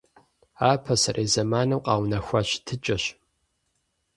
Ар пасэрей зэманым къэунэхуа щытыкӀэщ.